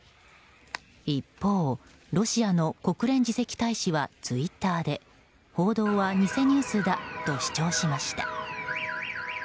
一方、ロシアの国連次席大使はツイッターで報道は偽ニュースだと主張しました。